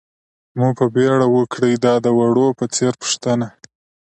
مو په بېړه وکړئ، دا د وړو په څېر پوښتنه.